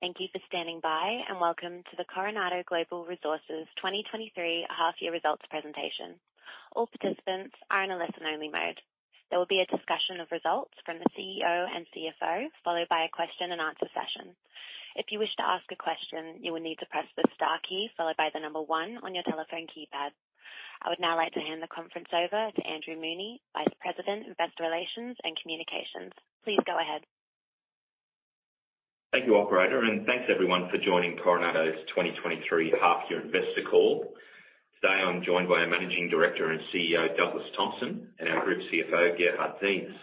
Thank you for standing by. Welcome to the Coronado Global Resources 2023 half year results presentation. All participants are in a listen-only mode. There will be a discussion of results from the CEO and CFO, followed by a question and answer session. If you wish to ask a question, you will need to press the star key followed by the number one on your telephone keypad. I would now like to hand the conference over to Andrew Mooney, Vice President, Investor Relations and Communications. Please go ahead. Thank you, operator, and thanks everyone for joining Coronado's 2023 half year investor call. Today, I'm joined by our Managing Director and CEO, Douglas Thompson, and our Group CFO, Gerhard Ziems.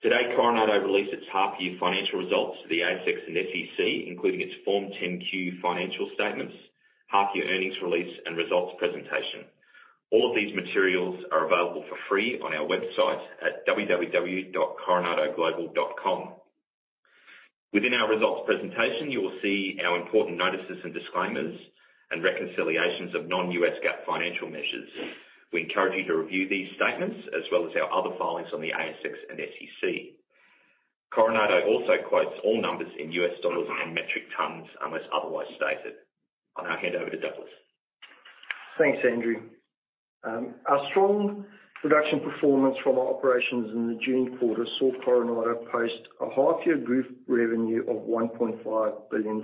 Today, Coronado released its half year financial results to the ASX and SEC, including its Form 10-Q financial statements, half year earnings release, and results presentation. All of these materials are available for free on our website at www.coronadoglobal.com. Within our results presentation, you will see our important notices and disclaimers and reconciliations of non-U.S. GAAP financial measures. We encourage you to review these statements as well as our other filings on the ASX and SEC. Coronado also quotes all numbers in U.S. dollars and metric tons unless otherwise stated. I'll now hand over to Douglas. Thanks, Andrew. Our strong production performance from our operations in the June quarter saw Coronado post a half year group revenue of $1.5 billion.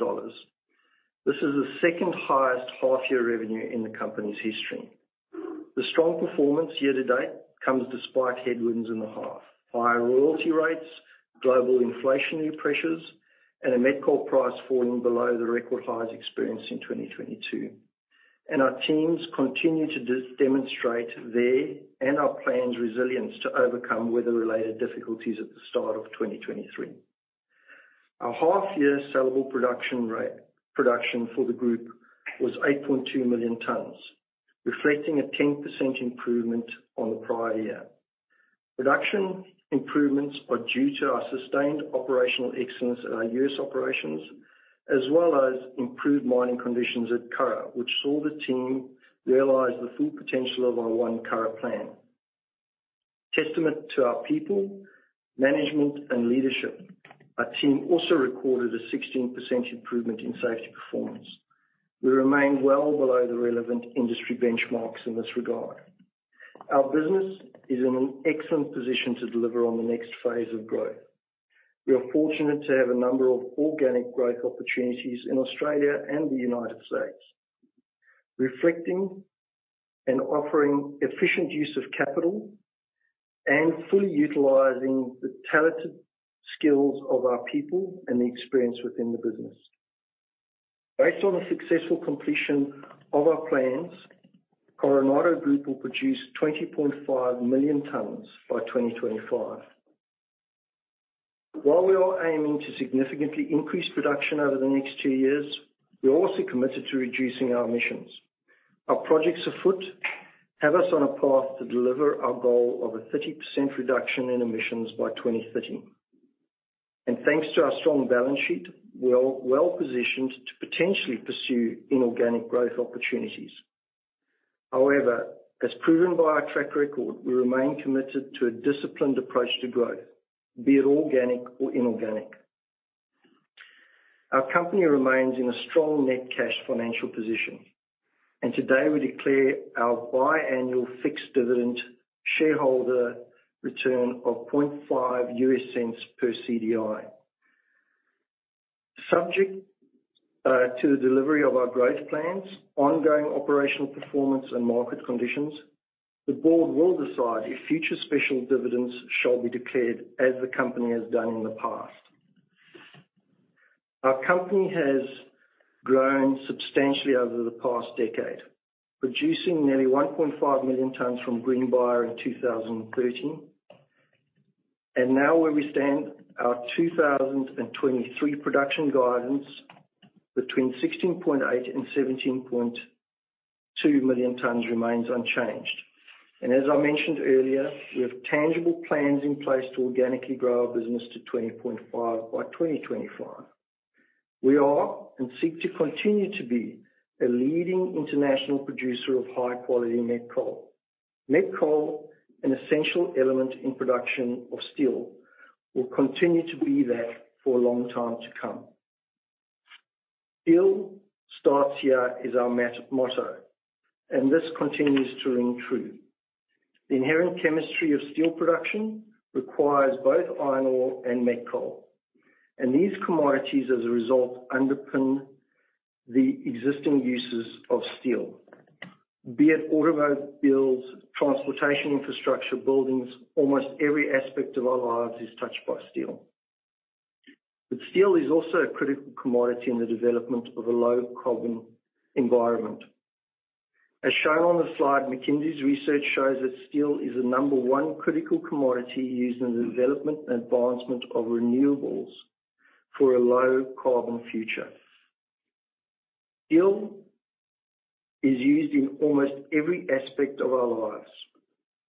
This is the second highest half year revenue in the company's history. The strong performance year to date comes despite headwinds in the half. Higher royalty rates, global inflationary pressures, and a met coal price falling below the record highs experienced in 2022. Our teams continue to demonstrate their and our plans resilience to overcome weather-related difficulties at the start of 2023. Our half year sellable production for the group was 8.2 million tons, reflecting a 10% improvement on the prior year. Production improvements are due to our sustained operational excellence at our U.S. operations, as well as improved mining conditions at Curragh, which saw the team realize the full potential of our One Curragh plan. Testament to our people, management, and leadership, our team also recorded a 16% improvement in safety performance. We remain well below the relevant industry benchmarks in this regard. Our business is in an excellent position to deliver on the next phase of growth. We are fortunate to have a number of organic growth opportunities in Australia and the United States, reflecting and offering efficient use of capital and fully utilizing the talented skills of our people and the experience within the business. Based on the successful completion of our plans, Coronado Group will produce 20.5 million tons by 2025. While we are aiming to significantly increase production over the next two years, we are also committed to reducing our emissions. Our projects afoot have us on a path to deliver our goal of a 30% reduction in emissions by 2030. Thanks to our strong balance sheet, we are well positioned to potentially pursue inorganic growth opportunities. However, as proven by our track record, we remain committed to a disciplined approach to growth, be it organic or inorganic. Our company remains in a strong net cash financial position, and today we declare our biannual fixed dividend shareholder return of $0.005 per CDI. Subject to the delivery of our growth plans, ongoing operational performance, and market conditions, the board will decide if future special dividends shall be declared as the company has done in the past. Our company has grown substantially over the past decade, producing nearly 1.5 million tons from Greenbrier in 2013. Now where we stand, our 2023 production guidance between 16.8 million-17.2 million tons remains unchanged. As I mentioned earlier, we have tangible plans in place to organically grow our business to 20.5 by 2025. We are, and seek to continue to be, a leading international producer of high-quality met coal. Met coal, an essential element in production of steel, will continue to be that for a long time to come. "Steel starts here" is our met motto, and this continues to ring true. The inherent chemistry of steel production requires both iron ore and met coal, and these commodities, as a result, underpin the existing uses of steel. Be it automobile, transportation, infrastructure, buildings, almost every aspect of our lives is touched by steel. Steel is also a critical commodity in the development of a low-carbon environment. As shown on the slide, McKinsey's research shows that steel is the number 1 critical commodity used in the development and advancement of renewables for a low-carbon future. Steel is used in almost every aspect of our lives.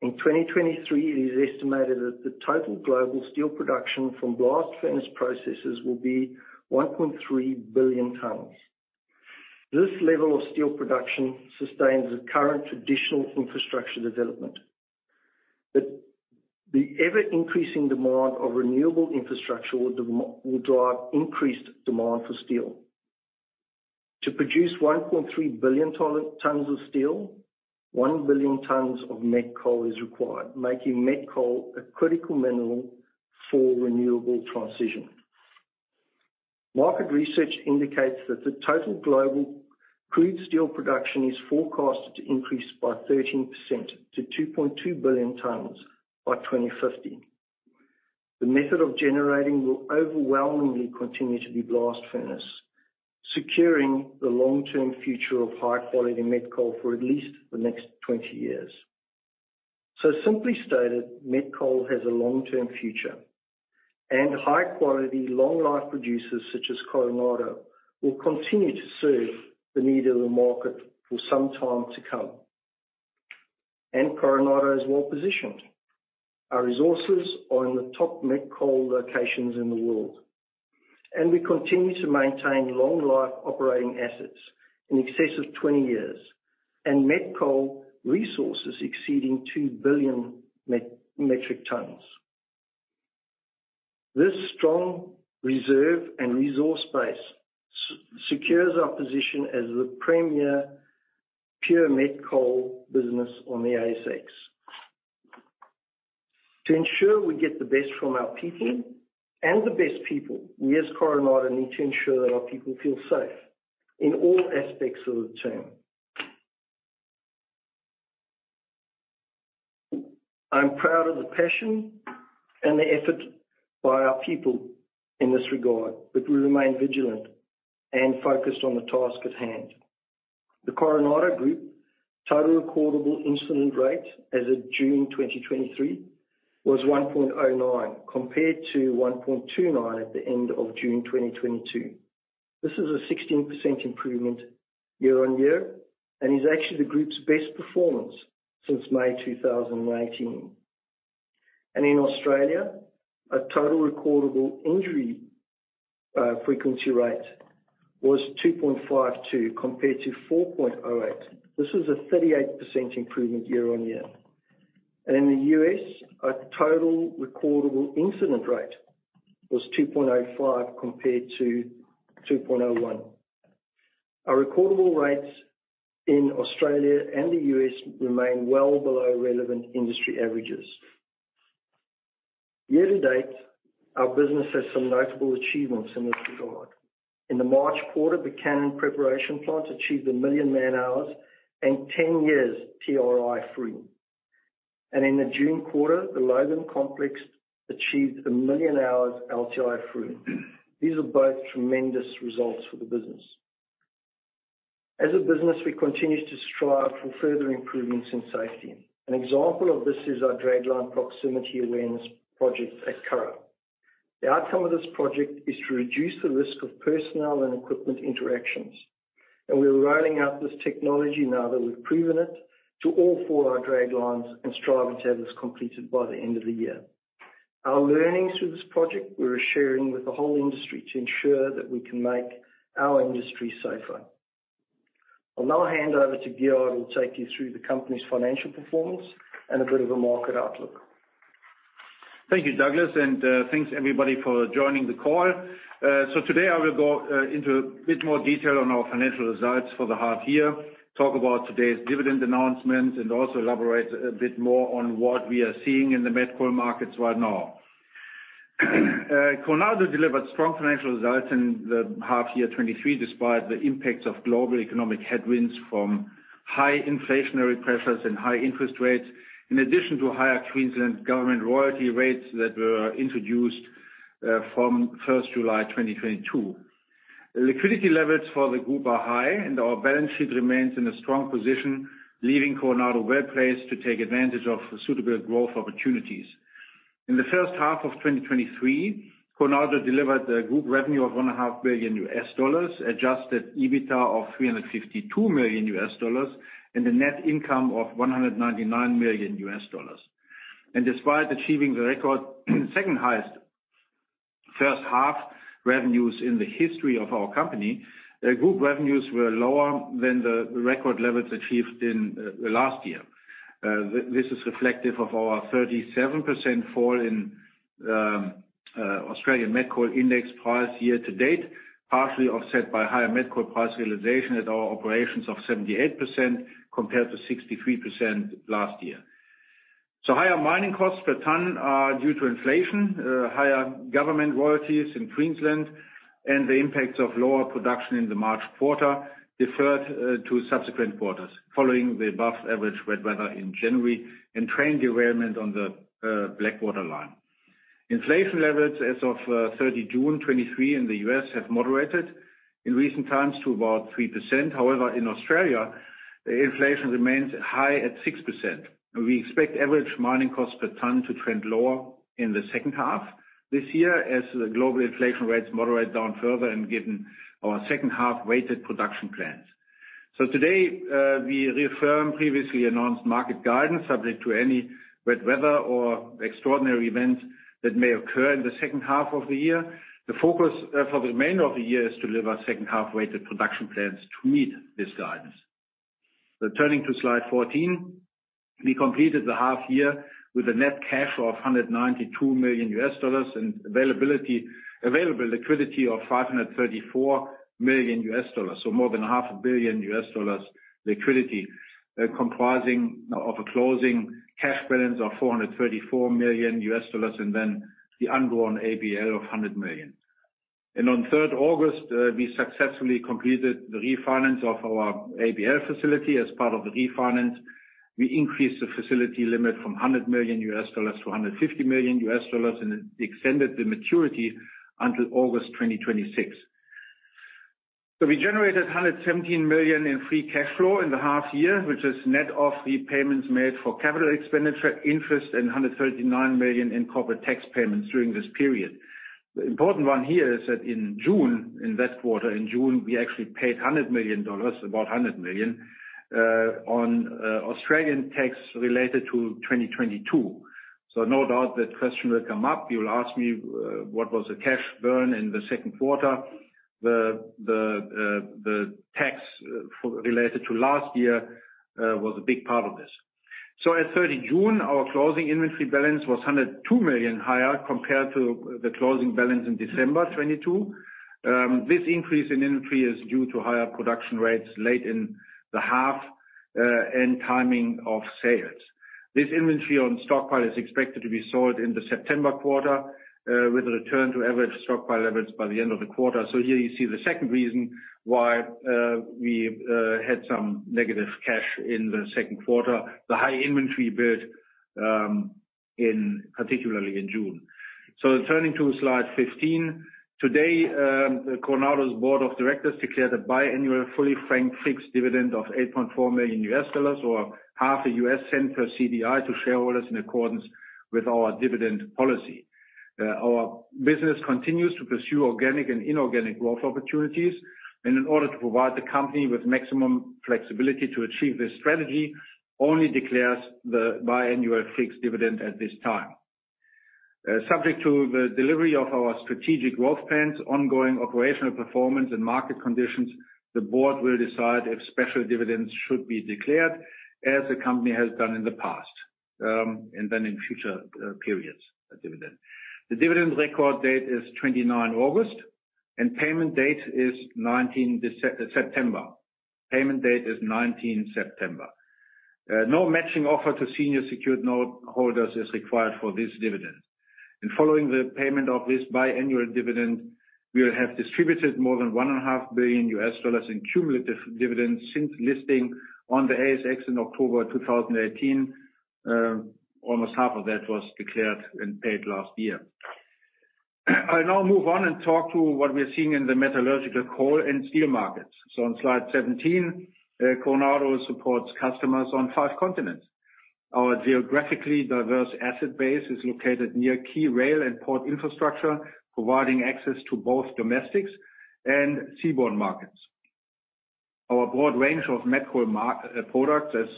In 2023, it is estimated that the total global steel production from blast furnace processes will be 1.3 billion tons. This level of steel production sustains the current traditional infrastructure development. The ever-increasing demand of renewable infrastructure will drive increased demand for steel. To produce 1.3 billion tons of steel, 1 billion tons of met coal is required, making met coal a critical mineral for renewable transition. Market research indicates that the total global crude steel production is forecasted to increase by 13% to 2.2 billion tons by 2050. The method of generating will overwhelmingly continue to be blast furnace, securing the long-term future of high-quality met coal for at least the next 20 years. Simply stated, met coal has a long-term future, and high-quality, long-life producers such as Coronado will continue to serve the need of the market for some time to come. Coronado is well-positioned. Our resources are in the top met coal locations in the world, and we continue to maintain long-life operating assets in excess of 20 years, and met coal resources exceeding 2 billion metric tons. This strong reserve and resource base secures our position as the premier pure met coal business on the ASX. To ensure we get the best from our people and the best people, we as Coronado, need to ensure that our people feel safe in all aspects of the term. I'm proud of the passion and the effort by our people in this regard, but we remain vigilant and focused on the task at hand. The Coronado Group total recordable incident rate as of June 2023, was 1.09, compared to 1.29 at the end of June 2022. This is a 16% improvement year on year, is actually the group's best performance since May 2018. In Australia, our total recordable injury frequency rate was 2.52 compared to 4.08. This is a 38% improvement year on year. In the U.S., our total recordable incident rate was 2.05 compared to 2.01. Our recordable rates in Australia and the U.S. remain well below relevant industry averages. Year to date, our business has some notable achievements in this regard. In the March quarter, the Cannon Preparation Plant achieved 1 million man-hours and 10 years TRI-free. In the June quarter, the Logan Complex achieved 1 million hours LTI-free. These are both tremendous results for the business. As a business, we continue to strive for further improvements in safety. An example of this is our dragline proximity awareness projects at Curragh. The outcome of this project is to reduce the risk of personnel and equipment interactions, and we are rolling out this technology now that we've proven it, to all four of our draglines and strive to have this completed by the end of the year. Our learnings through this project, we are sharing with the whole industry to ensure that we can make our industry safer. I'll now hand over to Gerhard, who will take you through the company's financial performance and a bit of a market outlook. Thank you, Douglas. Thanks everybody for joining the call. Today I will go into a bit more detail on our financial results for the half year 2023, talk about today's dividend announcement, and also elaborate a bit more on what we are seeing in the met coal markets right now. Coronado delivered strong financial results in the half year 2023, despite the impacts of global economic headwinds from high inflationary pressures and high interest rates, in addition to higher Queensland government royalty rates that were introduced from July 1st, 2022. Liquidity levels for the group are high, and our balance sheet remains in a strong position, leaving Coronado well-placed to take advantage of suitable growth opportunities. In the first half of 2023, Coronado delivered a group revenue of $1.5 billion, adjusted EBITDA of $352 million, and a net income of $199 million. Despite achieving the record, second highest first half revenues in the history of our company, the group revenues were lower than the record levels achieved in the last year. This is reflective of our 37% fall in Australian met coal index price year to date, partially offset by higher met coal price realization at our operations of 78%, compared to 63% last year. Higher mining costs per ton are due to inflation, higher government royalties in Queensland, and the impacts of lower production in the March quarter, deferred to subsequent quarters, following the above-average wet weather in January and train derailment on the Blackwater line. Inflation levels as of 30th June 2023 in the U.S. have moderated in recent times to about 3%. However, in Australia, inflation remains high at 6%. We expect average mining costs per ton to trend lower in the second half this year, as the global inflation rates moderate down further and given our second half-weighted production plans. Today, we reaffirm previously announced market guidance, subject to any wet weather or extraordinary events that may occur in the second half of the year. The focus for the remainder of the year is to deliver second half-weighted production plans to meet this guidance. Turning to Slide 14, we completed the half year with a net cash of $192 million, and available liquidity of $534 million. More than $500 million liquidity, comprising of a closing cash balance of $434 million, and then the undrawn ABL of $100 million. On 3rd August, we successfully completed the refinance of our ABL facility. As part of the refinance, we increased the facility limit from $100 million-$150 million, and extended the maturity until August 2026. We generated 117 million in free cash flow in the half year, which is net of the payments made for capital expenditure, interest, and 139 million in corporate tax payments during this period. The important one here is that in June, in that quarter, in June, we actually paid 100 million dollars, about 100 million, on Australian tax related to 2022. No doubt that question will come up. You will ask me what was the cash burn in the second quarter? The tax related to last year was a big part of this. As at 30th June, our closing inventory balance was 102 million higher compared to the closing balance in December 2022. This increase in inventory is due to higher production rates late in the half and timing of sales. This inventory on stockpile is expected to be sold in the September quarter with a return to average stockpile levels by the end of the quarter. Here you see the second reason why we had some negative cash in the second quarter, the high inventory build, particularly in June. Turning to Slide 15. Today, Coronado's board of directors declared a biannual fully franked fixed dividend of $8.4 million, or $0.005 per CDI to shareholders in accordance with our dividend policy. Our business continues to pursue organic and inorganic growth opportunities, and in order to provide the company with maximum flexibility to achieve this strategy, only declares the biannual fixed dividend at this time. Subject to the delivery of our strategic growth plans, ongoing operational performance, and market conditions, the Board will decide if special dividends should be declared, as the company has done in the past, and then in future periods, a dividend. The dividend record date is 29th August, and payment date is 19th September. Payment date is 19 September. No matching offer to Senior Secured Note holders is required for this dividend. Following the payment of this biannual dividend, we will have distributed more than $1.5 billion in cumulative dividends since listing on the ASX in October 2018. Almost half of that was declared and paid last year. I now move on and talk to what we are seeing in the metallurgical coal and steel markets. On Slide 17, Coronado supports customers on five continents. Our geographically diverse asset base is located near key rail and port infrastructure, providing access to both domestics and seaborne markets. Our broad range of met coal products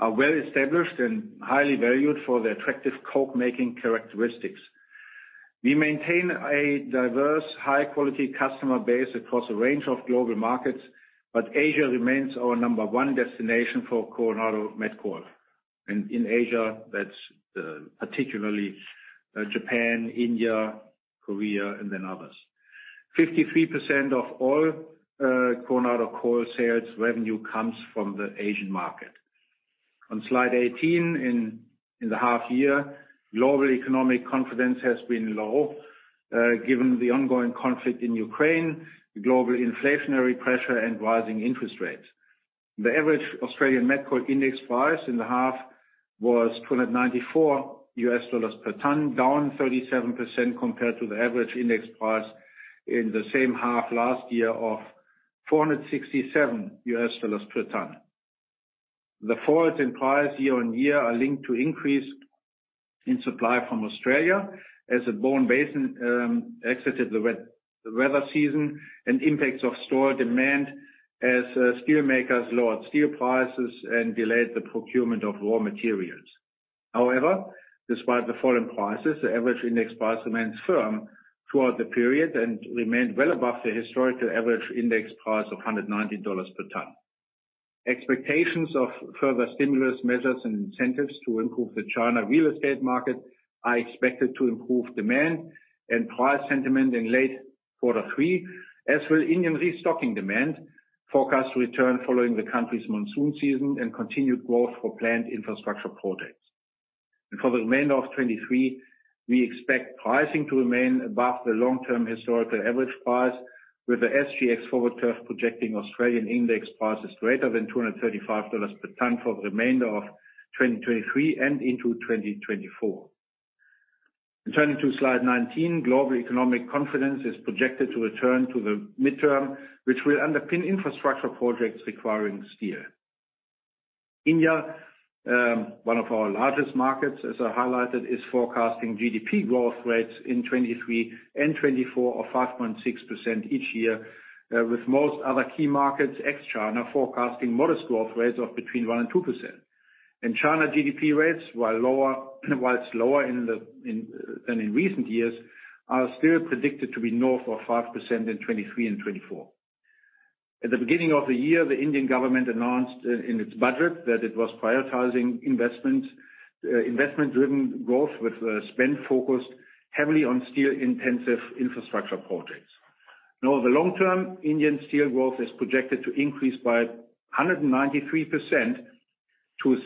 are well established and highly valued for their attractive coke-making characteristics. We maintain a diverse, high-quality customer base across a range of global markets, but Asia remains our number one destination for Coronado met coal. In Asia, that's particularly Japan, India, Korea, and then others. 53% of all Coronado coal sales revenue comes from the Asian market. On Slide 18, in the half year, global economic confidence has been low, given the ongoing conflict in Ukraine, the global inflationary pressure, and rising interest rates. The average Australian met coal index price in the half was $294 per tonne, down 37% compared to the average index price in the same half last year of $467 per tonne. The falls in price year-on-year are linked to increase in supply from Australia, as the Bowen Basin exited the weather season and impacts of store demand as steelmakers lowered steel prices and delayed the procurement of raw materials. However, despite the fall in prices, the average index price remained firm throughout the period and remained well above the historical average index price of $190 per tonne. Expectations of further stimulus measures and incentives to improve the China real estate market are expected to improve demand and price sentiment in late Q3, as will Indian restocking demand forecast to return following the country's monsoon season and continued growth for planned infrastructure projects. For the remainder of 2023, we expect pricing to remain above the long-term historical average price, with the SGX forward curve projecting Australian index prices greater than $235 per tonne for the remainder of 2023 and into 2024. Turning to Slide 19, global economic confidence is projected to return to the midterm, which will underpin infrastructure projects requiring steel. India, one of our largest markets, as I highlighted, is forecasting GDP growth rates in 2023 and 2024 of 5.6% each year, with most other key markets, ex-China, forecasting modest growth rates of between 1% and 2%. China GDP rates, while lower, while it's lower than in recent years, are still predicted to be north of 5% in 2023 and 2024. At the beginning of the year, the Indian government announced in its budget that it was prioritizing investment, investment-driven growth, with spend focused heavily on steel-intensive infrastructure projects. Now, the long-term Indian steel growth is projected to increase by 193% to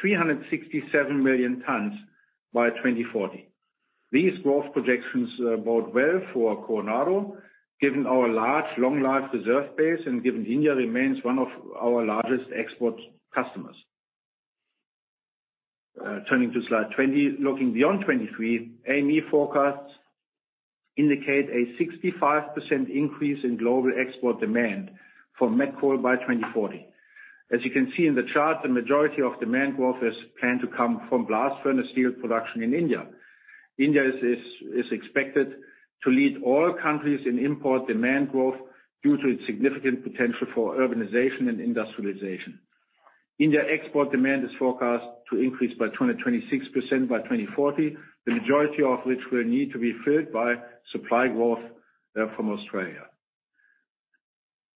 367 million tons by 2040. These growth projections bode well for Coronado, given our large, long life reserve base and given India remains one of our largest export customers. Turning to Slide 20. Looking beyond 2023, AME forecasts indicate a 65% increase in global export demand for met coal by 2040. As you can see in the chart, the majority of demand growth is planned to come from blast furnace steel production in India. India is expected to lead all countries in import demand growth due to its significant potential for urbanization and industrialization. India export demand is forecast to increase by 226% by 2040, the majority of which will need to be filled by supply growth from Australia.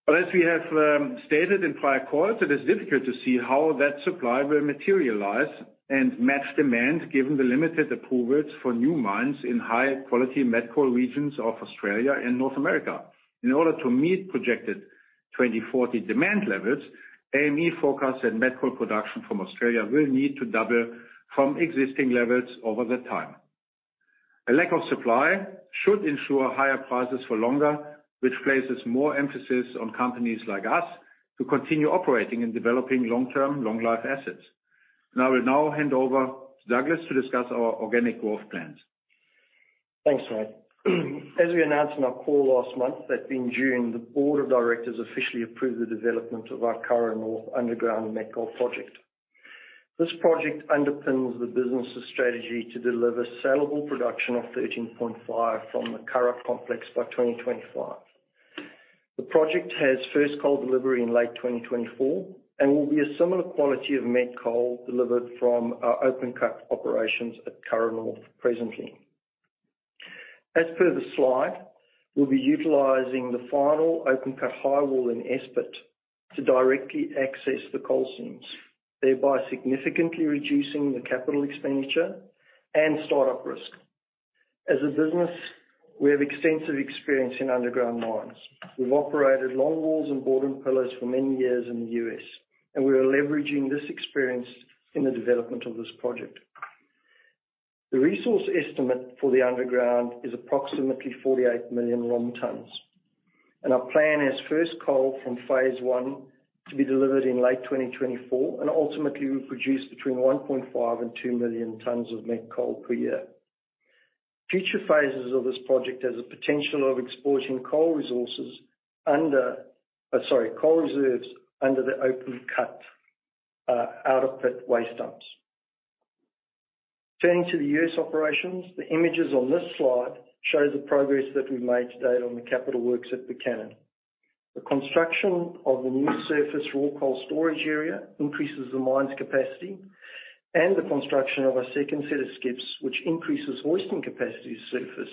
As we have stated in prior calls, it is difficult to see how that supply will materialize and match demand, given the limited approvals for new mines in high-quality met coal regions of Australia and North America. In order to meet projected 2040 demand levels, AME forecasts that met coal production from Australia will need to double from existing levels over the time. A lack of supply should ensure higher prices for longer, which places more emphasis on companies like us to continue operating and developing long-term, long-life assets. I will now hand over to Douglas to discuss our organic growth plans. Thanks, Mike. As we announced on our call last month, in June, the board of directors officially approved the development of our Curragh North Underground Met Coal Project. This project underpins the business's strategy to deliver sellable production of 13.5 from the Curragh complex by 2025. The project has first coal delivery in late 2024 and will be a similar quality of met coal delivered from our open cut operations at Curragh North presently. As per the slide, we'll be utilizing the final open cut highwall in Esprit to directly access the coal seams, thereby significantly reducing the capital expenditure and start-up risk. As a business, we have extensive experience in underground mines. We've operated longwalls and bord and pillar for many years in the U.S. We are leveraging this experience in the development of this project. The resource estimate for the underground is approximately 48 million long tons, and our plan is first coal from phase one to be delivered in late 2024, and ultimately we produce between 1.5 million and 2 million tons of met coal per year. Future phases of this project has a potential of exporting coal resources under... Sorry, coal reserves under the open cut, out of pit waste dumps. Turning to the U.S. operations, the images on this slide show the progress that we've made to date on the capital works at Buchanan. The construction of the new surface raw coal storage area increases the mine's capacity, and the construction of a second set of skips, which increases hoisting capacity to surface,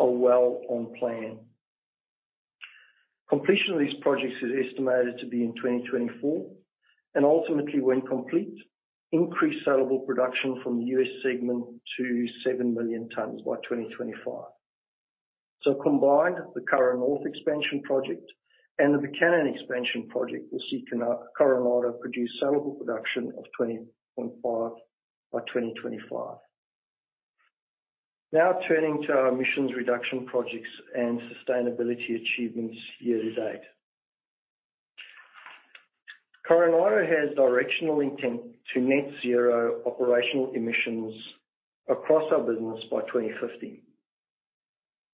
are well on plan. Completion of these projects is estimated to be in 2024, ultimately, when complete, increase sellable production from the U.S. segment to 7 million tons by 2025. Combined, the Curragh North expansion project and the Buchanan expansion project will seek to produce sellable production of 20.5 by 2025. Turning to our emissions reduction projects and sustainability achievements year to date. Coronado has directional intent to net zero operational emissions across our business by 2050.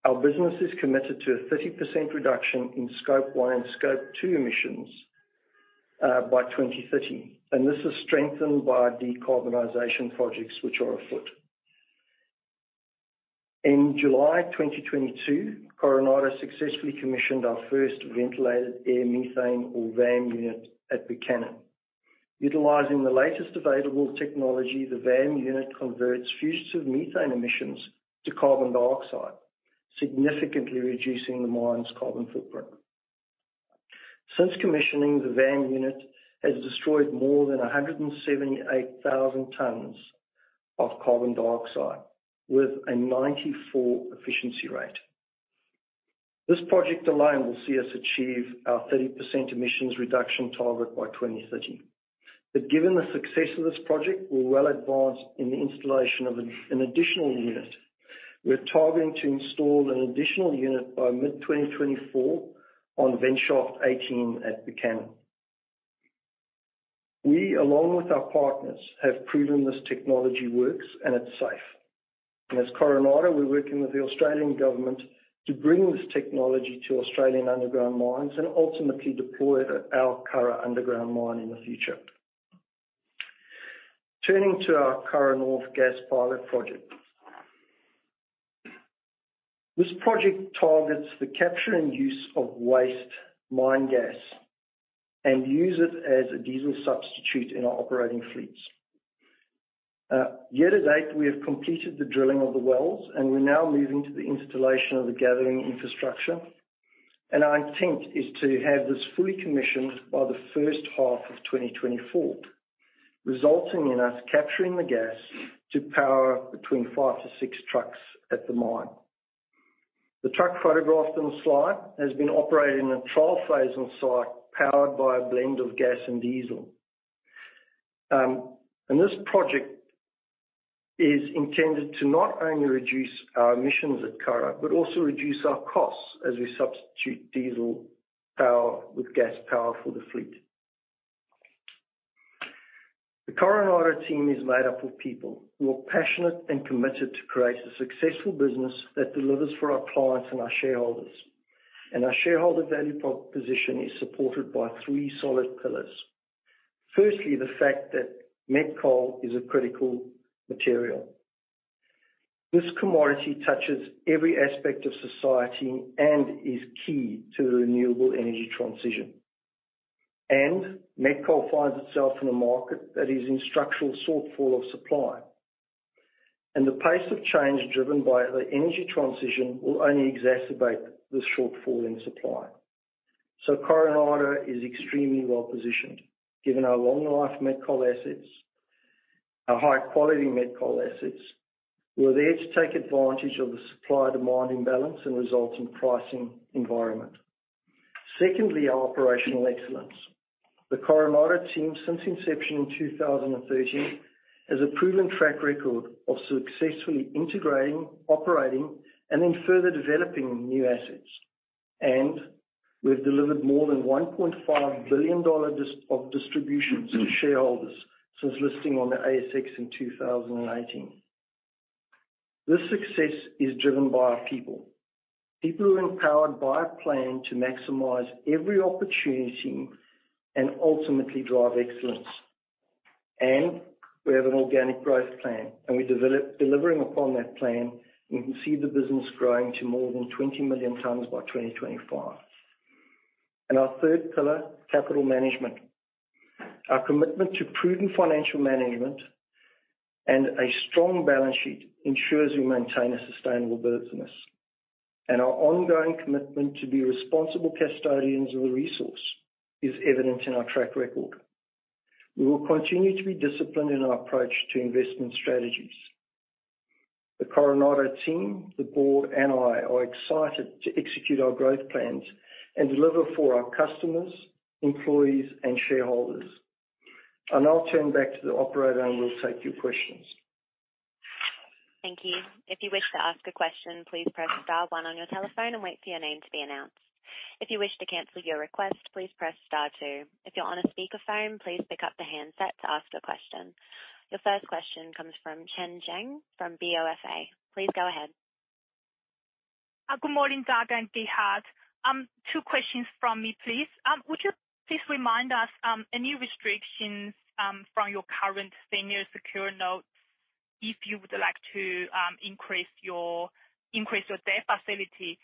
Our business is committed to a 30% reduction in Scope 1 and Scope 2 emissions by 2030, this is strengthened by decarbonization projects, which are afoot. In July 2022, Coronado successfully commissioned our first ventilated air methane, or VAM unit, at Buchanan. Utilizing the latest available technology, the VAM unit converts fugitive methane emissions to carbon dioxide, significantly reducing the mine's carbon footprint. Since commissioning, the VAM unit has destroyed more than 178,000 tons of carbon dioxide with a 94% efficiency rate. This project alone will see us achieve our 30% emissions reduction target by 2030. Given the success of this project, we're well advanced in the installation of an additional unit. We're targeting to install an additional unit by mid-2024 on Vent Shaft eighteen at Buchanan. We, along with our partners, have proven this technology works and it's safe. As Coronado, we're working with the Australian government to bring this technology to Australian underground mines and ultimately deploy it at our Curragh underground mine in the future. Turning to our Curragh North gas pilot project.... This project targets the capture and use of waste mine gas and use it as a diesel substitute in our operating fleets. Year to date, we have completed the drilling of the wells, and we're now moving to the installation of the gathering infrastructure. Our intent is to have this fully commissioned by the first half of 2024, resulting in us capturing the gas to power between five to six trucks at the mine. The truck photographed on the slide has been operating in a trial phase on site, powered by a blend of gas and diesel. This project is intended to not only reduce our emissions at Curragh, but also reduce our costs as we substitute diesel power with gas power for the fleet. The Curragh team is made up of people who are passionate and committed to create a successful business that delivers for our clients and our shareholders. Our shareholder value proposition is supported by three solid pillars. Firstly, the fact that met coal is a critical material. This commodity touches every aspect of society and is key to the renewable energy transition. met coal finds itself in a market that is in structural shortfall of supply, and the pace of change driven by the energy transition will only exacerbate this shortfall in supply. Curragh is extremely well-positioned, given our long life met coal assets, our high-quality met coal assets. We are there to take advantage of the supply-demand imbalance and resulting pricing environment. Secondly, our operational excellence. The Curragh team, since inception in 2013, has a proven track record of successfully integrating, operating, and then further developing new assets. We've delivered more than $1.5 billion of distributions to shareholders since listing on the ASX in 2018. This success is driven by our people. People who are empowered by a plan to maximize every opportunity and ultimately drive excellence. We have an organic growth plan, and delivering upon that plan, we can see the business growing to more than 20 million tons by 2025. Our third pillar, capital management. Our commitment to prudent financial management and a strong balance sheet ensures we maintain a sustainable business. Our ongoing commitment to be responsible custodians of the resource is evident in our track record. We will continue to be disciplined in our approach to investment strategies. The Curragh team, the board, and I are excited to execute our growth plans and deliver for our customers, employees, and shareholders. I'll now turn back to the operator. We'll take your questions. Thank you. If you wish to ask a question, please press star one on your telephone and wait for your name to be announced. If you wish to cancel your request, please press star two. If you're on a speakerphone, please pick up the handset to ask a question. The first question comes from Chen Jiang from BofA. Please go ahead. Good morning, Doug and Gerhard Ziems. Two questions from me, please. Would you please remind us any restrictions from your current Senior Secured Notes, if you would like to increase your, increase your debt facility?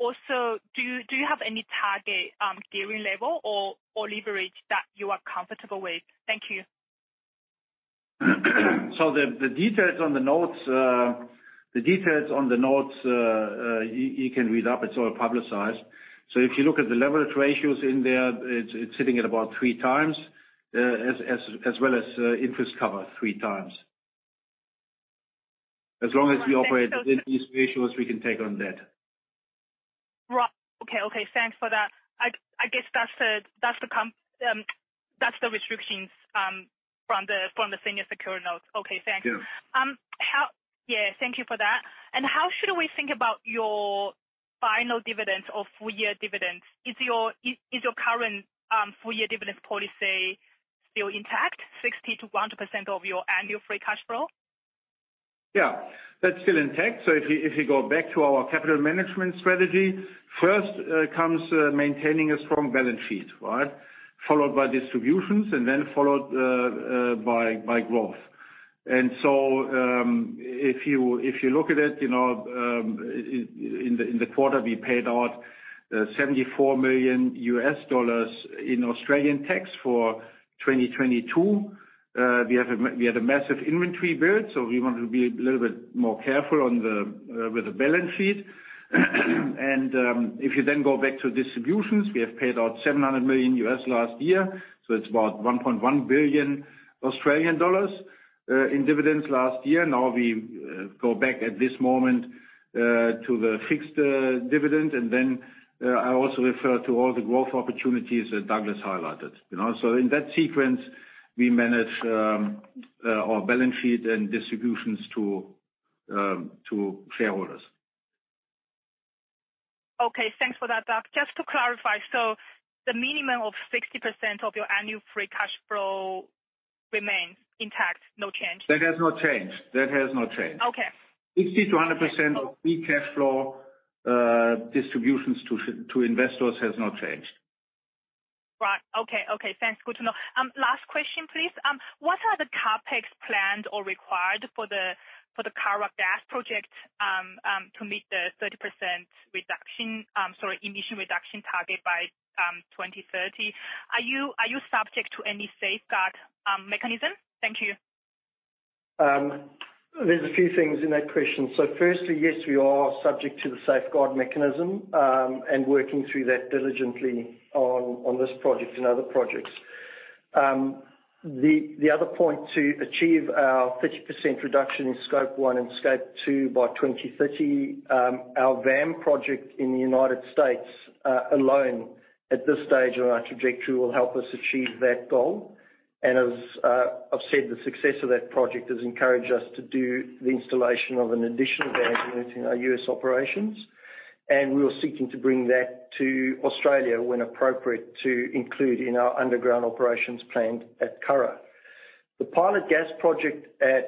Do you, do you have any target gearing level or, or leverage that you are comfortable with? Thank you. The details on the notes, the details on the notes, you can read up. It's all publicized. If you look at the leverage ratios in there, it's sitting at about 3 times, as well as interest cover, 3 times. As long as we operate- Thanks. within these ratios, we can take on debt. Right. Okay, thanks for that. I guess that's the, that's the restrictions, from the, from the Senior Secured Notes. Okay, thank you. Yeah. Yeah, thank you for that. How should we think about your final dividend or full-year dividend? Is your current full-year dividend policy still intact, 60%-100% of your annual free cash flow? Yeah, that's still intact. If you go back to our capital management strategy, first comes maintaining a strong balance sheet, right? Followed by distributions and then followed by growth. If you look at it, you know, in the quarter, we paid out $74 million in Australian tax for 2022. We had a massive inventory build, so we want to be a little bit more careful on the balance sheet. If you then go back to distributions, we have paid out $700 million last year, so it's about 1.1 billion Australian dollars in dividends last year. Now, we go back at this moment to the fixed dividend. Then, I also refer to all the growth opportunities that Douglas highlighted. You know, so in that sequence, we manage our balance sheet and distributions to shareholders. Okay, thanks for that, Doug. Just to clarify, the minimum of 60% of your annual free cash flow remains intact? No change. That has not changed. That has not changed. Okay. 60%-100% of free cash flow, distributions to investors has not changed. Right. Okay, okay, thanks. Good to know. Last question, please. What are the CapEx plans or required for the Curragh gas project to meet the 30% reduction, sorry, emission reduction target by 2030? Are you, are you subject to any Safeguard Mechanism? Thank you. There's a few things in that question. Firstly, yes, we are subject to the Safeguard Mechanism, and working through that diligently on this project and other projects. The other point, to achieve our 30% reduction in Scope 1 and Scope 2 by 2030, our VAM project in the United States alone at this stage on our trajectory, will help us achieve that goal. As I've said, the success of that project has encouraged us to do the installation of an additional VAM unit in our U.S. operations, and we are seeking to bring that to Australia when appropriate, to include in our underground operations planned at Curragh. The Curragh North gas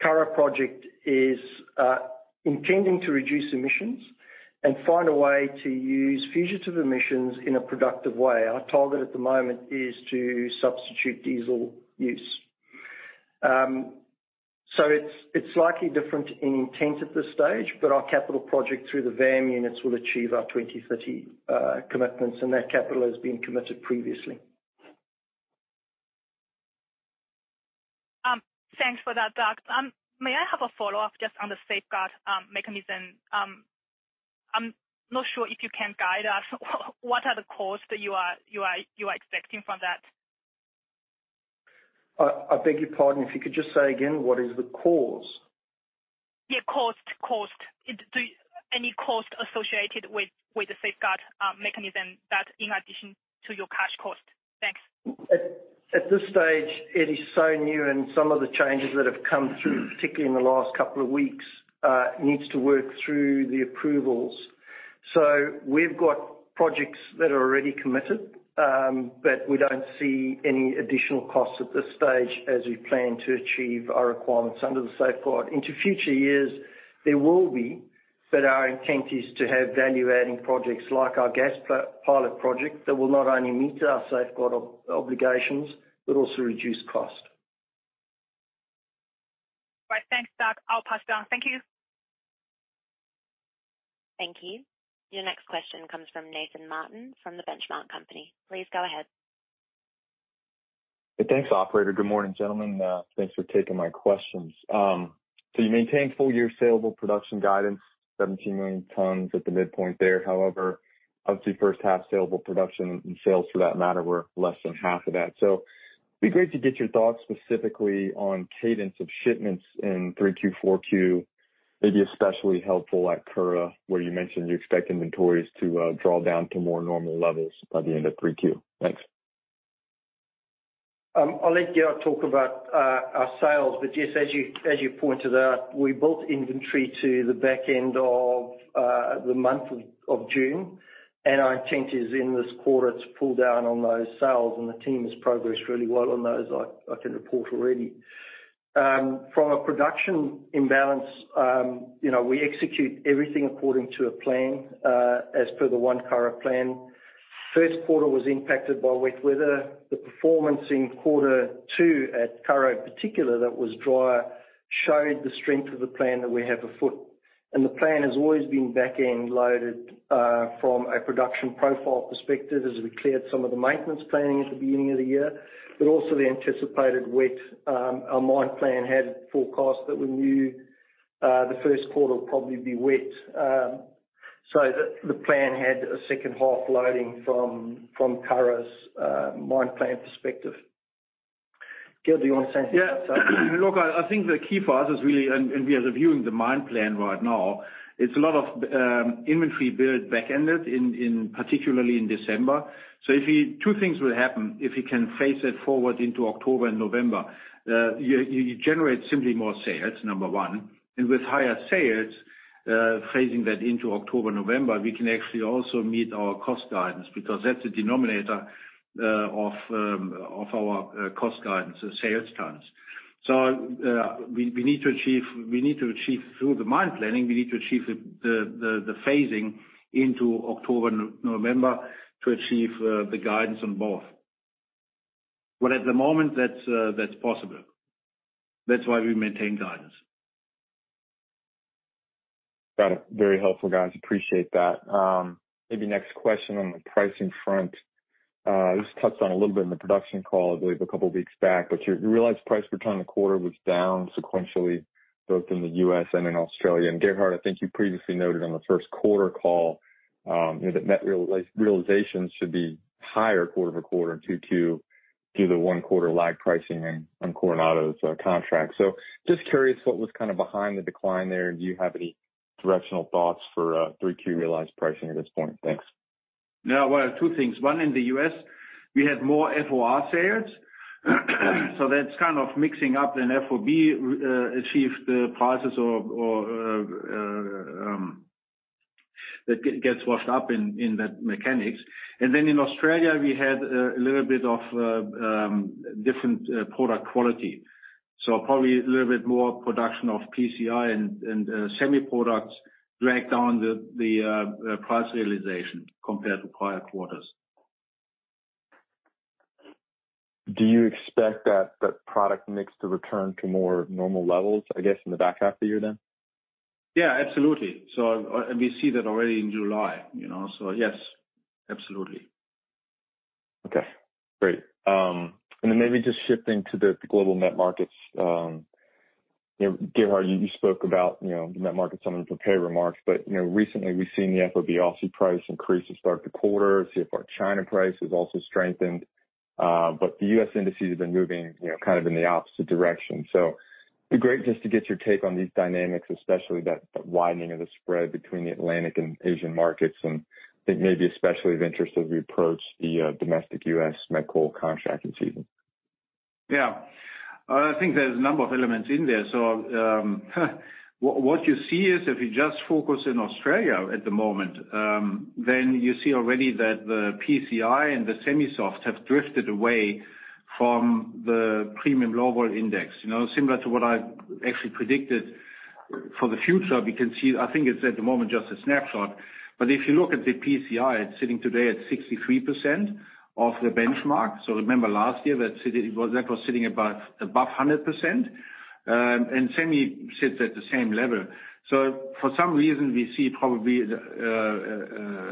pilot project is intending to reduce emissions and find a way to use fugitive emissions in a productive way. Our target at the moment is to substitute diesel use. It's, it's slightly different in intent at this stage, but our capital project through the VAM units will achieve our 2030 commitments, and that capital has been committed previously. Thanks for that, Doug. May I have a follow-up just on the Safeguard Mechanism? I'm not sure if you can guide us. What are the costs that you are, you are, you are expecting from that? I beg your pardon? If you could just say again, what is the cause? Yeah. Any cost associated with the Safeguard Mechanism that in addition to your cash cost? Thanks. At this stage, is so new, and some of the changes that have come through, particularly in the last couple of weeks, needs to work through the approvals. We've got projects that are already committed. We don't see any additional costs at this stage as we plan to achieve our requirements under the safeguard. Into future years, there will be. Our intent is to have value-adding projects like our gas pilot project, that will not only meet our safeguard obligations, but also reduce cost. Right. Thanks, Doug. I'll pass down. Thank you. Thank you. Your next question comes from Nathan Martin, from The Benchmark Company. Please go ahead. Hey, thanks, operator. Good morning, gentlemen. Thanks for taking my questions. You maintain full year salable production guidance, 17 million tons at the midpoint there. However, obviously, first half salable production and sales, for that matter, were less than half of that. It'd be great to get your thoughts specifically on cadence of shipments in 3Q, 4Q. It'd be especially helpful at Curragh, where you mentioned you expect inventories to draw down to more normal levels by the end of 3Q. Thanks. I'll let Gerhard talk about our sales, but yes, as you pointed out, we built inventory to the back end of the month of June, and our intent is, in this quarter, to pull down on those sales, and the team has progressed really well on those, I can report already. From a production imbalance, we execute everything according to a plan, as per the One Curragh plan. First quarter was impacted by wet weather. The performance in quarter two at Curragh, particular, that was drier, showed the strength of the plan that we have afoot. The plan has always been back-end loaded from a production profile perspective, as we cleared some of the maintenance planning at the beginning of the year, but also the anticipated wet, our mine plan had forecast that we knew the first quarter will probably be wet. The, the plan had a second-half loading from, from Curragh's mine plan perspective. Gerhard, do you want to say anything about that? Yeah. Look I think the key for us is really, we are reviewing the mine plan right now. It's a lot of inventory build back-ended in particularly in December. Two things will happen. If we can phase it forward into October and November, you generate simply more sales, number one. With higher sales, phasing that into October, November, we can actually also meet our cost guidance, because that's the denominator of our cost guidance, the sales guidance. We need to achieve, we need to achieve through the mine planning, we need to achieve the phasing into October, November to achieve the guidance on both. At the moment, that's possible. That's why we maintain guidance. Got it. Very helpful, guys. Appreciate that. Maybe next question on the pricing front. This touched on a little bit in the production call, I believe, a couple weeks back, your realized price per ton in the quarter was down sequentially, both in the U.S. and in Australia. Gerhard, I think you previously noted on the first quarter call that net realizations should be higher quarter-over-quarter in 2Q due to one quarter lag pricing on Coronado's contract. Just curious what was kind of behind the decline there? Do you have any directional thoughts for 3Q realized pricing at this point? Thanks. Yeah, well, two things. One, in the U.S., we had more FOR sales. That's kind of mixing up, and FOB achieved the prices or, or that gets washed up in that mechanics. Then in Australia, we had a little bit of different product quality. Probably a little bit more production of PCI and semi products dragged down the price realization compared to prior quarters. Do you expect that, that product mix to return to more normal levels, I guess, in the back half of the year, then? Yeah, absolutely. We see that already in July, you know. Yes, absolutely. Okay, great. Then maybe just shifting to the, the global met markets. You know, Gerhard, you spoke about, you know, the met markets some in your prepared remarks, but, you know, recently we've seen the FOB Aussie price increase to start the quarter. CFR China price has also strengthened, but the U.S. indices have been moving, you know, kind of in the opposite direction. It'd be great just to get your take on these dynamics, especially that, that widening of the spread between the Atlantic and Asian markets, and I think maybe especially of interest as we approach the domestic U.S. met coal contracting season. Yeah. I think there's a number of elements in there. What, what you see is if you just focus in Australia at the moment, then you see already that the PCI and the semi-soft have drifted away from the premium global index. You know, similar to what I actually predicted for the future. We can see... I think it's at the moment, just a snapshot, but if you look at the PCI, it's sitting today at 63% of the benchmark. Remember last year, that was sitting about above 100%, and semi sits at the same level. For some reason we see probably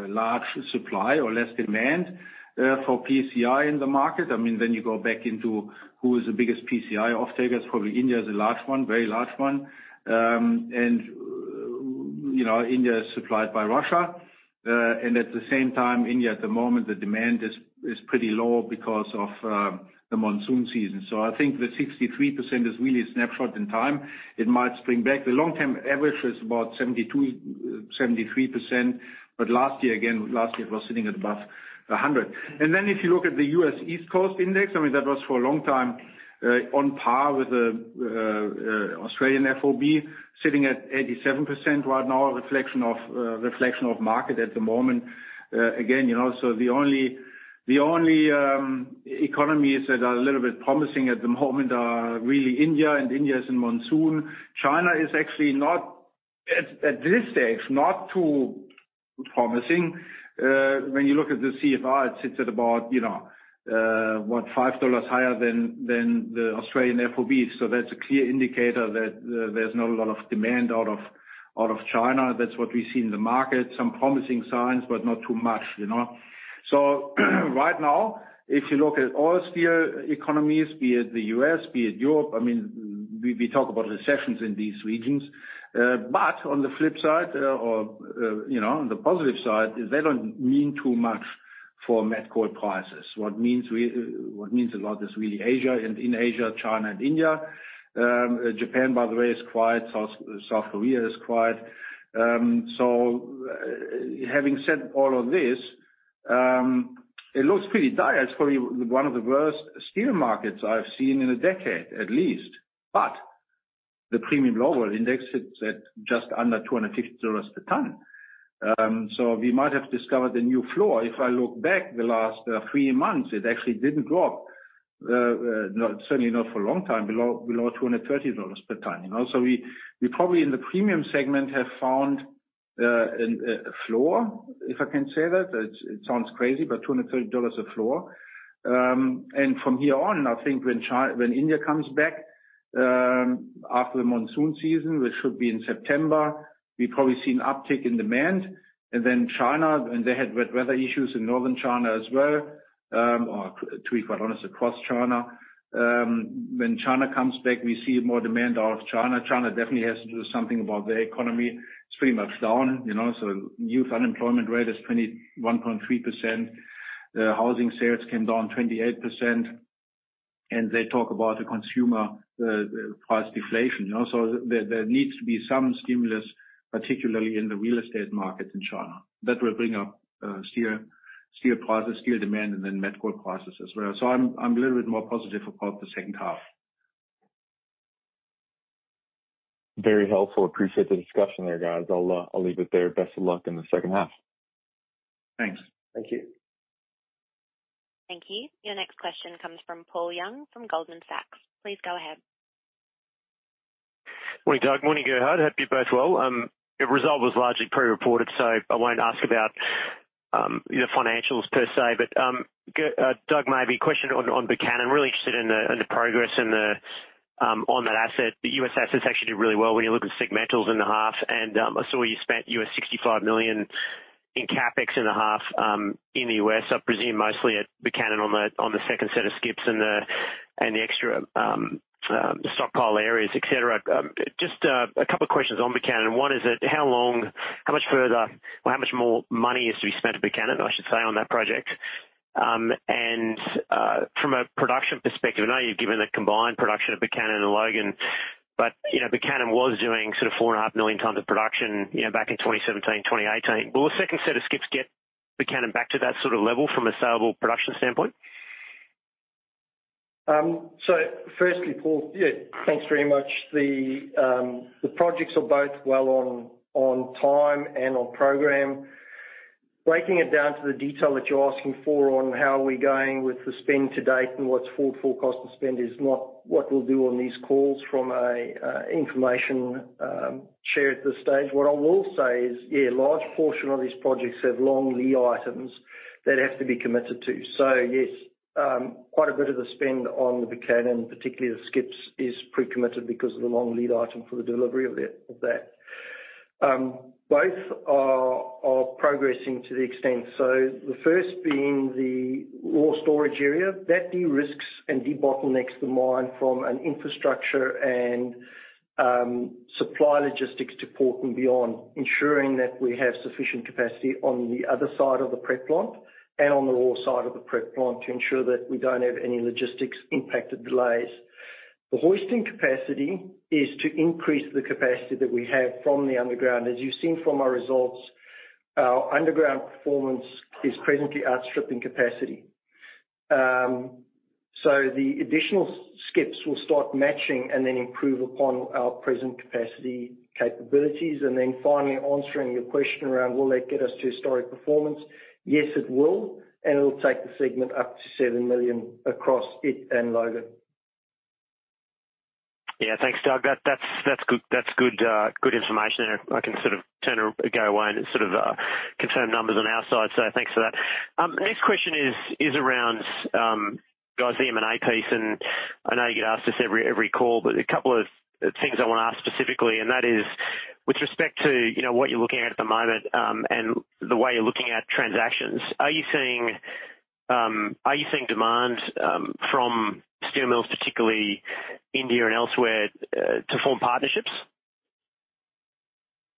large supply or less demand for PCI in the market. I mean, then you go back into who is the biggest PCI offtakers. Probably India is a large one, very large one. You know, India is supplied by Russia. At the same time, India at the moment, the demand is, is pretty low because of the monsoon season. I think the 63% is really a snapshot in time. It might spring back. The long-term average is about 72%-73%, but last year, again, last year it was sitting at above 100%. If you look at the U.S. East Coast index, I mean, that was for a long time, on par with the Australian FOB, sitting at 87% right now, a reflection of reflection of market at the moment. Again, you know, the only, the only economies that are a little bit promising at the moment are really India, and India is in monsoon. China is actually not, at, at this stage, not too promising. When you look at the CFR, it sits at about, you know, what, $5 higher than, than the Australian FOB. That's a clear indicator that there's not a lot of demand out of, out of China. That's what we see in the market. Some promising signs, but not too much, you know. Right now, if you look at all steel economies, be it the U.S., be it Europe, I mean, we, we talk about recessions in these regions. But on the flip side, or, you know, on the positive side, they don't mean too much for met coal prices. What means a lot is really Asia, and in Asia, China and India. Japan, by the way, is quiet. South, South Korea is quiet. Having said all of this, it looks pretty dire. It's probably one of the worst steel markets I've seen in a decade, at least. The premium global index sits at just under $250 per ton. We might have discovered a new floor. If I look back the last three months, it actually didn't drop, certainly not for a long time, below, below $230 per ton, you know? We, we probably in the premium segment, have found a floor, if I can say that. It sounds crazy, but $230 a floor. From here on, I think when India comes back, after the monsoon season, which should be in September, we probably see an uptick in demand. Then China, they had wet weather issues in northern China as well, or to be quite honest, across China. When China comes back, we see more demand out of China. China definitely has to do something about their economy. It's pretty much down, you know. Youth unemployment rate is 21.3%. Housing sales came down 28%, and they talk about the consumer price deflation, you know? There, there needs to be some stimulus, particularly in the real estate market in China, that will bring up steel, steel prices, steel demand, and then met coal prices as well. I'm a little bit more positive about the second half. Very helpful. Appreciate the discussion there, guys. I'll leave it there. Best of luck in the second half. Thanks. Thank you. Thank you. Your next question comes from Paul Young, from Goldman Sachs. Please go ahead. Morning, Doug. Morning, Gerhard. Hope you're both well. Your result was largely pre-reported, so I won't ask about your financials per se. Doug, maybe a question on Buchanan. I'm really interested in the progress in the on that asset. The U.S. assets actually did really well when you look at segmentals in the half, and I saw you spent $65 million in CapEx in the half in the U.S. I presume mostly at Buchanan on the second set of skips and the and the extra stockpile areas, et cetera. Just a couple of questions on Buchanan. One is that how long, how much further, or how much more money is to be spent at Buchanan, I should say, on that project? From a production perspective, I know you've given the combined production of Buchanan and Logan, but, you know, Buchanan was doing sort of 4.5 million tons of production, you know, back in 2017, 2018. Will the second set of skips get Buchanan back to that sort of level from a saleable production standpoint? Firstly, Paul, yeah, thanks very much. The projects are both well on, on time and on program. Breaking it down to the detail that you're asking for on how we're going with the spend to date and what's full, full cost of spend is not what we'll do on these calls from a information share at this stage. What I will say is, yeah, a large portion of these projects have long lead items that have to be committed to. Yes, quite a bit of the spend on the Buchanan, particularly the skips, is pre-committed because of the long lead item for the delivery of that, of that. Both are progressing to the extent. The first being the raw storage area, that de-risks and de-bottlenecks the mine from an infrastructure and supply logistics to port and beyond, ensuring that we have sufficient capacity on the other side of the prep plant and on the raw side of the prep plant to ensure that we don't have any logistics impacted delays. The hoisting capacity is to increase the capacity that we have from the underground. As you've seen from our results, our underground performance is presently outstripping capacity. The additional skips will start matching and then improve upon our present capacity capabilities. Finally, answering your question around, will that get us to historic performance? Yes, it will, and it will take the segment up to 7 million across it and Logan. Yeah, thanks, Doug. That, that's, that's good, that's good, good information there. I can sort of turn it, go away and sort of, confirm numbers on our side. Thanks for that. Next question is, is around, guys, the M&A piece, and I know you get asked this every, every call, but a couple of things I want to ask specifically, and that is, with respect to, you know, what you're looking at at the moment, and the way you're looking at transactions, are you seeing, are you seeing demand, from steel mills, particularly India and elsewhere, to form partnerships?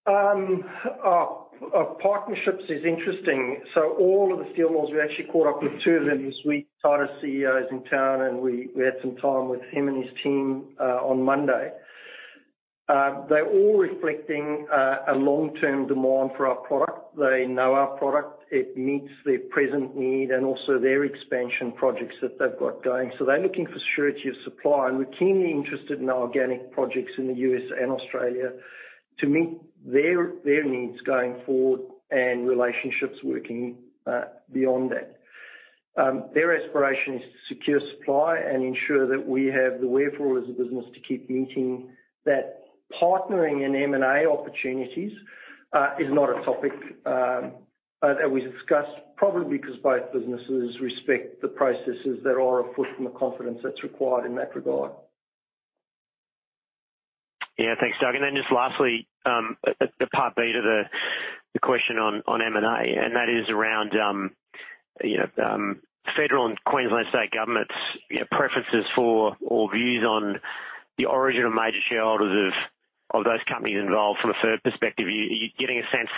Partnerships is interesting. All of the steel mills, we actually caught up with two of them this week. Tata's CEO is in town. We had some time with him and his team on Monday. They're all reflecting a long-term demand for our product. They know our product. It meets their present need and also their expansion projects that they've got going. They're looking for surety of supply. We're keenly interested in our organic projects in the U.S. and Australia to meet their needs going forward and relationships working beyond that. Their aspiration is to secure supply and ensure that we have the wherefore as a business to keep meeting that. Partnering in M&A opportunities, is not a topic, that we discussed, probably because both businesses respect the processes that are afoot and the confidence that's required in that regard. Yeah. Thanks, Doug. Then just lastly, the part B to the question on M&A, and that is around, you know, Federal and Queensland state governments, you know, preferences for or views on the origin of major shareholders of those companies involved from a third perspective. Are you getting a sense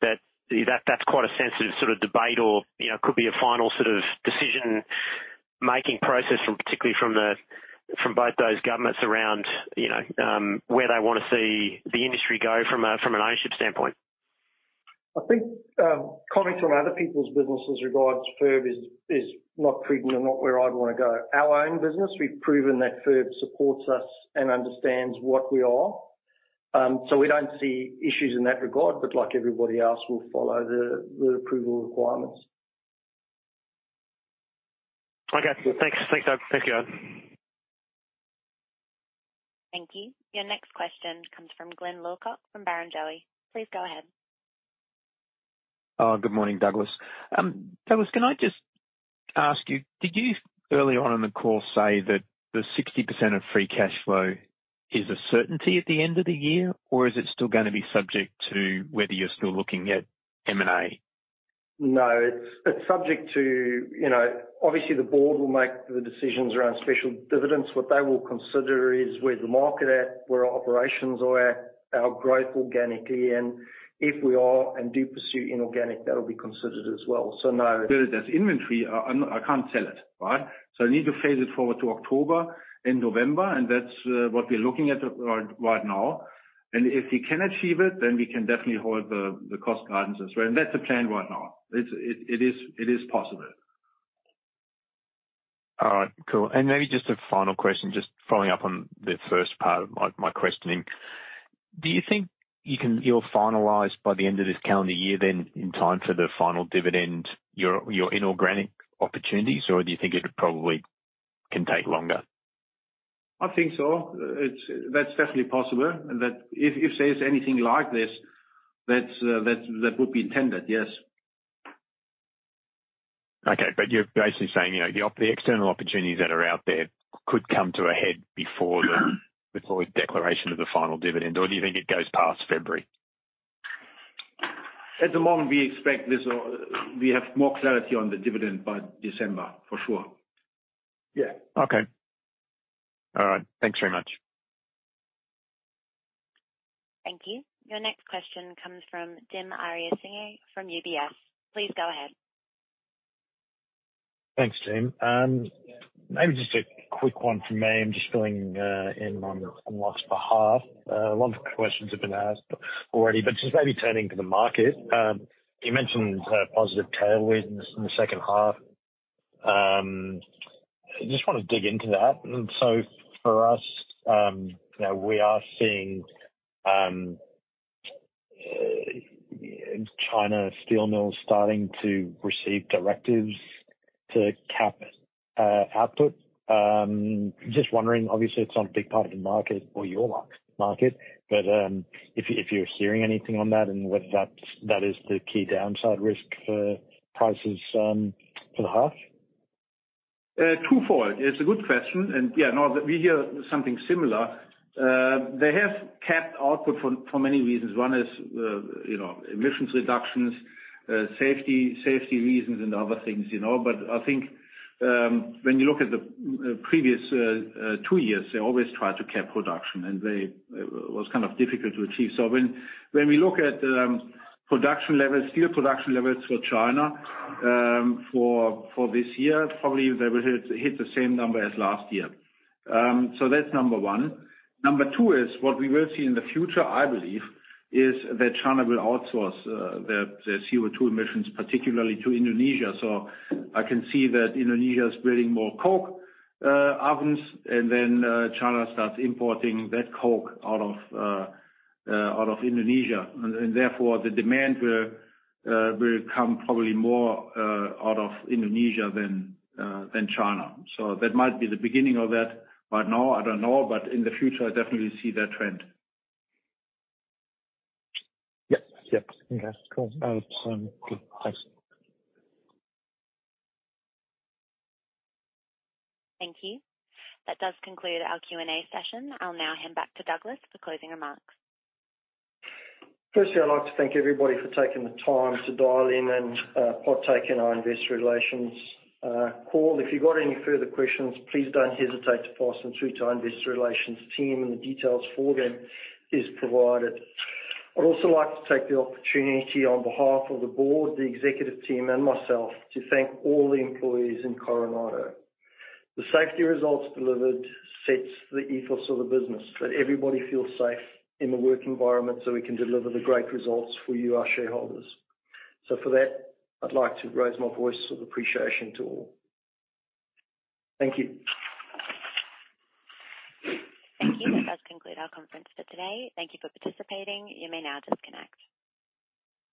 that that's quite a sensitive sort of debate or, you know, could be a final sort of decision-making process from, particularly from both those governments around, you know, where they want to see the industry go from a, from an ownership standpoint? I think commenting on other people's businesses regards FIRB is not prudent and not where I'd want to go. Our own business, we've proven that FIRB supports us and understands what we are. We don't see issues in that regard, but like everybody else, we'll follow the approval requirements. Okay. Thanks. Thanks, Doug. Thank you. Thank you. Your next question comes from Glyn Lawcock from Barrenjoey. Please go ahead. Good morning, Douglas. Douglas, can I just ask you, did you, early on in the call, say that the 60% of free cash flow is a certainty at the end of the year, or is it still going to be subject to whether you're still looking at M&A? No, it's subject to, you know, obviously, the board will make the decisions around special dividends. What they will consider is where the market at, where our operations are at, our growth organically, and if we are and do pursue inorganic, that will be considered as well. No. There is this inventory, I can't sell it, right? I need to phase it forward to October and November, and that's what we're looking at right, right now. If we can achieve it, then we can definitely hold the, the cost guidance as well. That's the plan right now. It is possible. All right, cool. Maybe just a final question, just following up on the first part of my, my questioning. Do you think you can, you'll finalize by the end of this calendar year, then in time for the final dividend, your, your inorganic opportunities, or do you think it probably can take longer? I think so. That's definitely possible, and that if there's anything like this, that, that would be intended, yes. Okay. You're basically saying, you know, the external opportunities that are out there could come to a head before the, before the declaration of the final dividend, or do you think it goes past February? At the moment, we expect this, we have more clarity on the dividend by December, for sure. Yeah. Okay. All right. Thanks very much. Thank you. Your next question comes from Dim Ariyasinghe from UBS. Please go ahead. Thanks, Dim. Maybe just a quick one from me. I'm just filling in on Mark's behalf. A lot of questions have been asked already, but just maybe turning to the market. You mentioned positive tailwinds in the second half.... I just want to dig into that. For us, you know, we are seeing China steel mills starting to receive directives to cap output. Just wondering, obviously, it's not a big part of the market or your market, but if, if you're seeing anything on that and whether that's, that is the key downside risk for prices for the half? Twofold. It's a good question. Yeah, no, we hear something similar. They have capped output for many reasons. One is, you know, emissions reductions, safety, safety reasons, and other things, you know. I think, when you look at the previous two years, they always tried to cap production. It was kind of difficult to achieve. When, when we look at production levels, steel production levels for China, for this year, probably they will hit, hit the same number as last year. That's number one. Number two is what we will see in the future, I believe, is that China will outsource their CO2 emissions, particularly to Indonesia. I can see that Indonesia is building more coke, ovens, and then, China starts importing that coke out of Indonesia. Therefore, the demand will, will come probably more, out of Indonesia than China. That might be the beginning of that. No, I don't know. In the future, I definitely see that trend. Yep. Okay, cool. I'll, good. Thanks. Thank you. That does conclude our Q&A session. I'll now hand back to Douglas for closing remarks. Firstly, I'd like to thank everybody for taking the time to dial in and partaking in our investor relations call. If you've got any further questions, please don't hesitate to pass them through to our investor relations team, and the details for them is provided. I'd also like to take the opportunity on behalf of the board, the executive team, and myself to thank all the employees in Coronado. The safety results delivered sets the ethos of the business, that everybody feels safe in the work environment, so we can deliver the great results for you, our shareholders. For that, I'd like to raise my voice of appreciation to all. Thank you. Thank you. That does conclude our conference for today. Thank you for participating. You may now disconnect.